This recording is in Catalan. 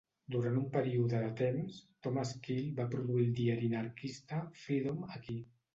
Durant un període de temps, Thomas Keell va produir el diari anarquista "Freedom" aquí.